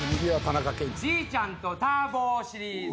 「じいちゃんとター坊シリーズ。